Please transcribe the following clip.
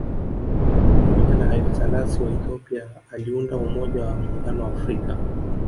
Pamoja na Haile Selassie wa Ethiopia aliunda Umoja wa Muungano wa Afrika